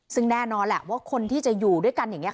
ซึ่งแน่นอนแหละว่าคนที่จะอยู่ด้วยกันอย่างนี้